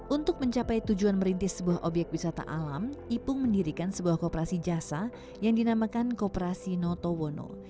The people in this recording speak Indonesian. untuk mencapai tujuan merintis sebuah obyek wisata alam ipung mendirikan sebuah kooperasi jasa yang dinamakan kooperasi notowono